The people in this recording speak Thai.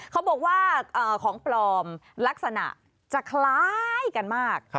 เขาบอกว่าของปลอมลักษณะจะคล้ายกันมาก